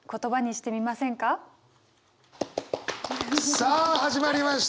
さあ始まりました！